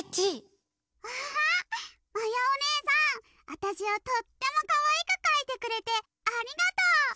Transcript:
あたしをとってもかわいくかいてくれてありがとう！